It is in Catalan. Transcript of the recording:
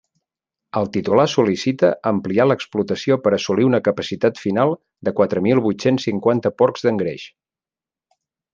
El titular sol·licita ampliar l'explotació per assolir una capacitat final de quatre mil vuit-cents cinquanta porcs d'engreix.